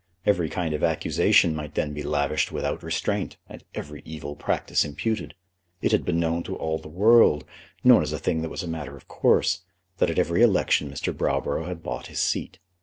Every kind of accusation might then be lavished without restraint, and every evil practice imputed. It had been known to all the world, known as a thing that was a matter of course, that at every election Mr. Browborough had bought his seat.